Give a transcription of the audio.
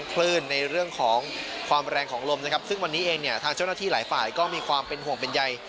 คลื่นในเรื่องของความแรงของลมนะครับซึ่งวันนี้เองเนี่ยทางเจ้าหน้าที่หลายฝ่ายก็มีความเป็นห่วงเป็นใย